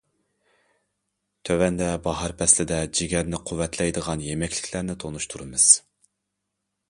تۆۋەندە باھار پەسلىدە جىگەرنى قۇۋۋەتلەيدىغان يېمەكلىكلەرنى تونۇشتۇرىمىز.